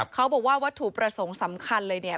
เขาบอกว่าวัตถุประสงค์สำคัญเลยเนี่ย